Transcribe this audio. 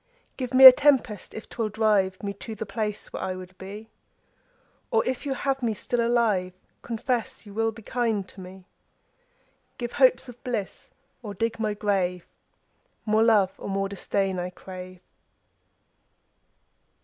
Give me a tempest if 'twill drive Me to the place where I would be; Or if you'll have me still alive, Confess you will be kind to me. 10 Give hopes of bliss or dig my grave: More love or more disdain I crave.